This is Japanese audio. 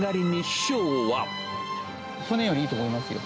去年よりいいと思いますよ。